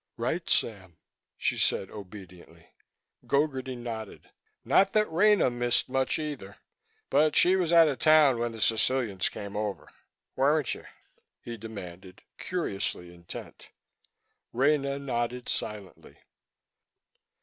"Right, Sam," she said obediently. Gogarty nodded. "Not that Rena missed much either, but she was out of town when the Sicilians came over. Weren't you?" he demanded, curiously intent. Rena nodded silently.